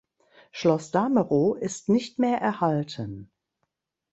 Schloss Damerow ist nicht mehr erhalten.